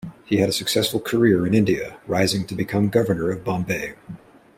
He had a successful career in India rising to become Governor of Bombay.